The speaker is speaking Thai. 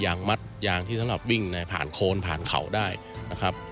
มัดยางที่สำหรับวิ่งผ่านโคนผ่านเขาได้นะครับ